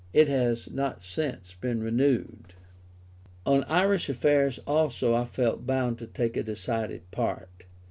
It has not since been renewed. On Irish affairs also I felt bound to take a decided part.